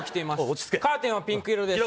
落ち着けカーテンはピンク色です